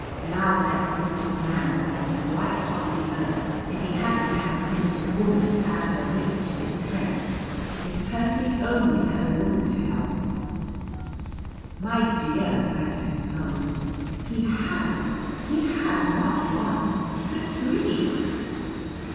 And I'll bet primitive man would have been wiped off the earth if he hadn't had primitive woman to add her wits to his strength. If Percy only had a woman to help him!" "My dear," I said solemnly, "he has! He has, not one, but three!"